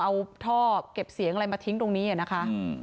เอาท่อเก็บเสียงอะไรมาทิ้งตรงนี้นะคะ